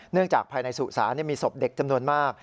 เนื่องจากภายในสูตรศาสตร์มีศพเด็กจำนวนมาก